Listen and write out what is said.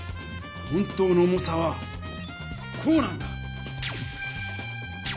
本当の重さはこうなんだ。